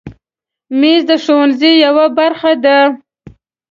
مېز د ښوونځي یوه برخه ده.